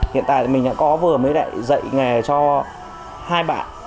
hiện tại mình đã có vừa mới lại dạy nghề cho hai bạn